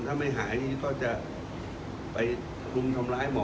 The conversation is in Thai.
ถ้าไม่หายนี่ก็จะไปรุมทำร้ายหมด